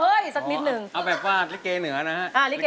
เอาแบบว่าริเกะเหนือนะฮะ